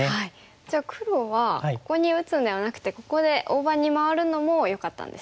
じゃあ黒はここに打つんではなくてここで大場に回るのもよかったんですね。